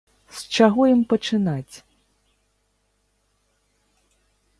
З чаго ім пачынаць?